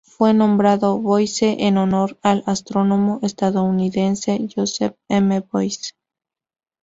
Fue nombrado Boyce en honor al astrónomo estadounidense Joseph M. Boyce.